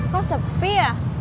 kok sepi ya